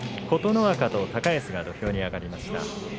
琴ノ若と高安が土俵に上がりました。